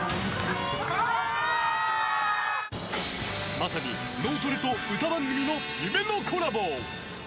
まさに脳トレと歌番組の夢のコラボ。